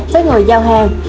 với người giao hàng